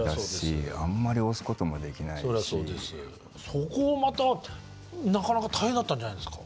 そこをまたなかなか大変だったんじゃないですか？